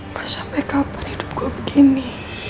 pak sampai kapan hidup gue begini